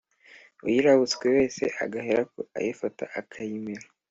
uyirabutswe wese, agahera ko ayifata akayimira.